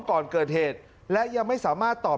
ก่อนเกิดเหตุและยังไม่สามารถตอบ